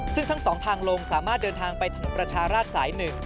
ซึ่งทั้งสองทางลงสามารถเดินทางไปถนนประชาราชสาย๑